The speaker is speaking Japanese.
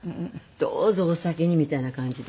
どうぞお先にみたいな感じで。